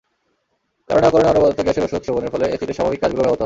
কারণে-অকারণে অনবরত গ্যাসের ওষুধ সেবনের ফলে অ্যাসিডের স্বাভাবিক কাজগুলো ব্যাহত হয়।